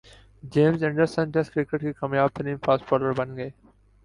James Anderson Test cricket کے کامیاب ترین فاسٹ بالر بن گئے